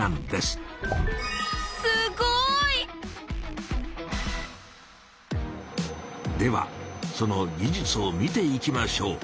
すごい！ではその技術を見ていきましょう。